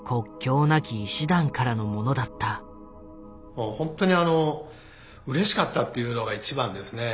もう本当にあのうれしかったっていうのが一番ですね。